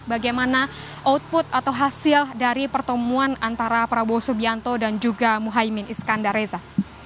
bagaimana output atau hasil dari pertemuan antara prabowo subianto dan juga muhaymin iskandar reza